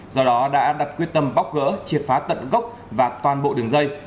do đó đã đặt quyết tâm bóc gỡ triệt phá tận gốc và toàn bộ đường dây